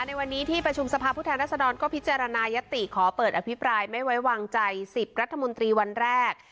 ในวันนี้ที่ประชุมสภาพผู้แทนรัศดรก็พิจารณายติขอเปิดอภิปรายไม่ไว้วางใจ๑๐รัฐมนตรีวันแรก